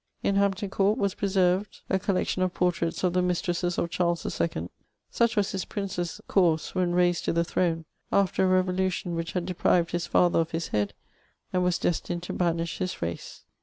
In Hampton Couxi was preserved a coUection of portraits of tiie mistr^ses c^ Charles IL : such was tiiis princess oouae when raised to the throne, after a reydution whidi had de priyed his father of his head, and was destined to banish his race.